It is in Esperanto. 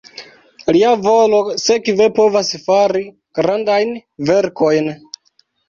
Lia volo sekve povas fari grandajn verkojn.